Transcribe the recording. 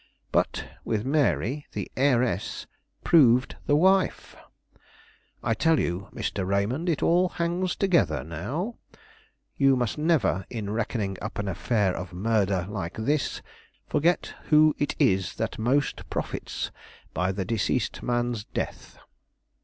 But with Mary, the heiress, proved the wife! I tell you, Mr. Raymond, it all hangs together now. You must never, in reckoning up an affair of murder like this, forget who it is that most profits by the deceased man's death."